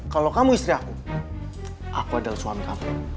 kalau kamu istri aku aku adalah suami kamu